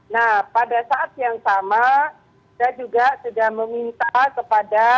nah pada saat yang sama saya juga sudah meminta kepada